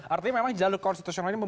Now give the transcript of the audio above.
artinya memang jalur konstitusional ini